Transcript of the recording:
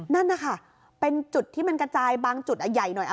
นั่นนะคะเป็นจุดที่มันกระจายบางจุดใหญ่หน่อย